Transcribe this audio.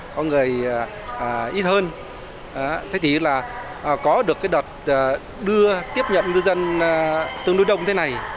có người ít hơn thế thì có được đợt đưa tiếp nhận ngư dân tương đối đông thế này